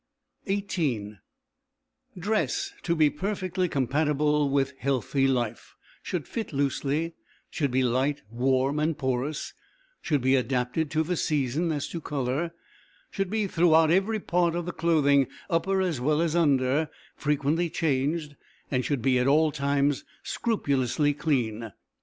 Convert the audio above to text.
XVIII Dress, to be perfectly compatible with healthy life, should fit loosely, should be light, warm, and porous, should be adapted to the season as to colour, should be throughout every part of the clothing, upper as well as under, frequently changed, and should be, at all times, scrupulously clean.